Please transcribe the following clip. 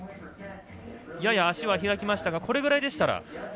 やや足は開きましたがこれぐらいでしたら。